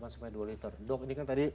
satu delapan sampai dua liter dok ini kan tadi